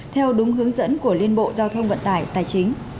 theo đúng hướng dẫn của liên bộ giao thông vận tải tài chính